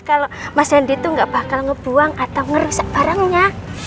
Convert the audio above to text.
kalau mas hendi itu nggak bakal ngebuang atau ngerusak barangnya